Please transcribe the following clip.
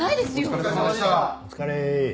お疲れ。